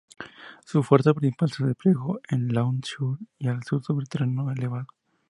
Su fuerza principal se desplegó en Landshut y al sur, sobre terreno elevado.